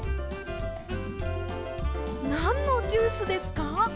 なんのジュースですか？